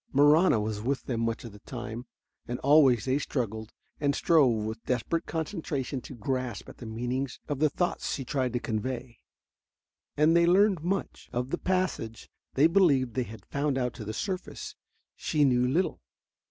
Marahna was with them much of the time, and always they struggled and strove with desperate concentration to grasp at the meanings of the thoughts she tried to convey. And they learned much. Of the passage they believed they had found out to the surface, she knew little.